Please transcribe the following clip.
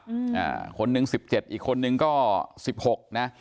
อืมอ่าคนหนึ่งสิบเจ็ดอีกคนนึงก็สิบหกนะ